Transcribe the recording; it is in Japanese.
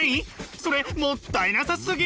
それもったいなさすぎ！